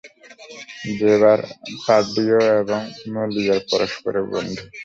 জেরার পার্দিও এবং মলিয়ের পরস্পরের বন্ধু।